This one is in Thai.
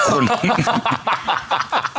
ทุกคนเลย